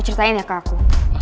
ceritain ya ke aku